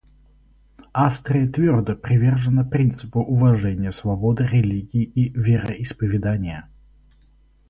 Австрия твердо привержена принципу уважения свободы религии и вероисповедания.